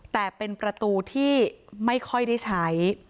แต่เป็นประตูที่ไม่ค่อยได้ใช้